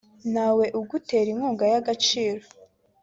ntawe ugutera inkunga y’agaciro